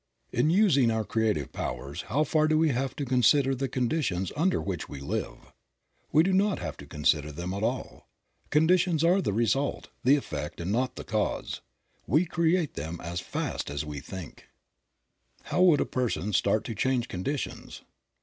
In using our creative powers, how far do we have to con sider the conditions under which we live? We do not have to consider them at all. Conditions are the result, the effect and not the cause ; we create them as fast as we think. 76 Creative Mind. How would a person start to change conditions?